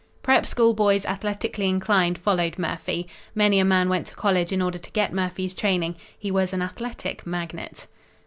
Prep' School boys athletically inclined followed Murphy. Many a man went to college in order to get Murphy's training. He was an athletic magnet.